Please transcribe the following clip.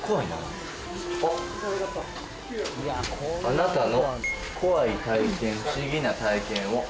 「あなたの怖い体験不思議な体験を」